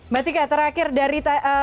mbak tika terakhir dari